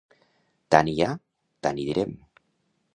Tant hi ha, tant hi direm.